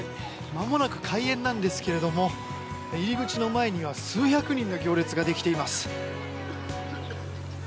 まもなく開園なんですけれども入り口の前には数百人の行列ができています。